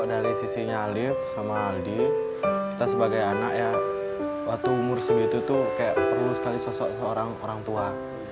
dari sisinya alif sama aldi kita sebagai anak waktu umur segini perlu sekali sosok orang tua